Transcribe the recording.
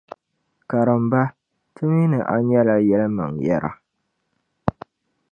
Karimba, ti mi ni a nyɛla yɛlimaŋyɛra.